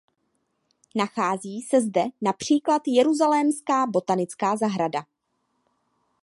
Nachází se zde například Jeruzalémská botanická zahrada.